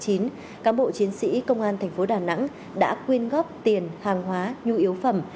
cán bộ chiến sĩ công an thành phố đà nẵng đã quyên góp tiền hàng hóa nhu yếu phẩm